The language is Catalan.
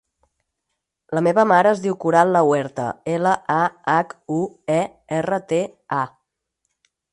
La meva mare es diu Coral Lahuerta: ela, a, hac, u, e, erra, te, a.